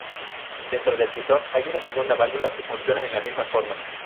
Dentro del pistón, hay una segunda válvula que funciona en la misma forma.